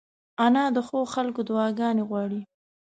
انا د ښو خلکو دعاګانې غواړي